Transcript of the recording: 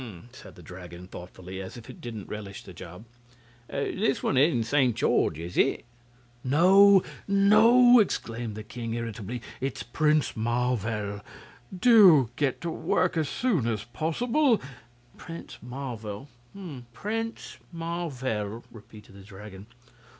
said the Dragon, thoughtfully, as if it didn't relish the job; "this one isn't Saint George, is it?" "No, no!" exclaimed the king, irritably; "it's Prince Marvel. Do get to work as soon as possible." "Prince Marvel Prince Marvel," repeated the Dragon.